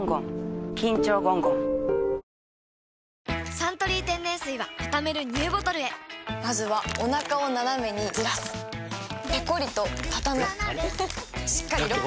「サントリー天然水」はたためるＮＥＷボトルへまずはおなかをナナメにずらすペコリ！とたたむしっかりロック！